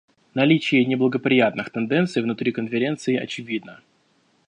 Наличие неблагоприятных тенденций внутри Конференции очевидно.